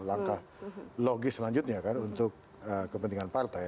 langkah logis selanjutnya kan untuk kepentingan partai